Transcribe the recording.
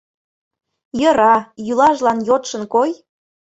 Йӧра, йӱлажлан йодшын кой.